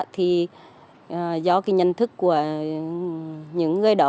thì do cái nhân thức của những người đó